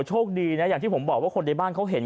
โชคดีนะอย่างที่ผมบอกว่าคนในบ้านเขาเห็น